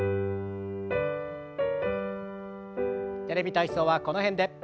「テレビ体操」はこの辺で。